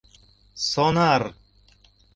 Сонар!..